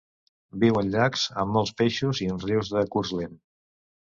Viu en llacs amb molts peixos i en rius de curs lent.